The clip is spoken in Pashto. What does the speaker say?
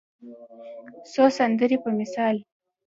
څو سندرې په مثال